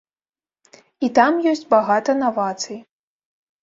І там ёсць багата навацый.